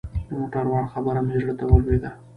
د موټروان خبره مې زړه ته ولوېده.